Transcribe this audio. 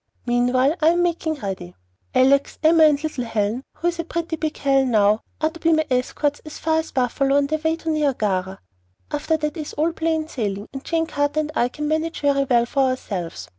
Meanwhile, I am making ready. Alex and Emma and little Helen who is a pretty big Helen now are to be my escorts as far as Buffalo on their way to Niagara. After that is all plain sailing, and Jane Carter and I can manage very well for ourselves.